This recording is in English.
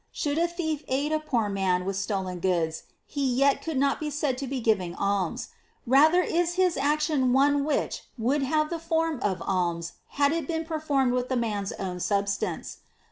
Should a thief aid a poor man with stolen goods, he yet could not be said to be giving alms ; rather is his action one which would have the form* of alms had it been performed with the man's own substance.